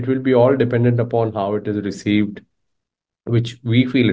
tapi itu akan bergantung pada cara tersebut dikumpulkan